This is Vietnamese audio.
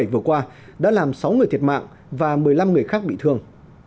và một mươi năm người khác bị thương